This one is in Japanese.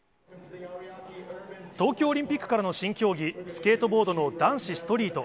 東京オリンピックからの新競技、スケートボードの男子ストリート。